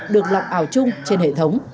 được lọc ảo chung trên hệ thống